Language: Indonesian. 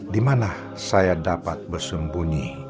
dimana saya dapat bersumbunyi